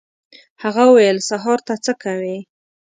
هغه وویل: «سهار ته څه کوې؟»